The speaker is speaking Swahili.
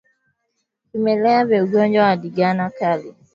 Vimelea vya ugonjwa wa ndigana kali